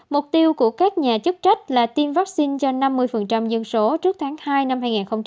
mục tiêu của các nhà chức trách là tiêm vaccine cho năm mươi dân số trước tháng hai năm hai nghìn hai mươi